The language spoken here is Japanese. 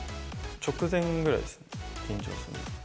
直前ぐらいですね、緊張するのは。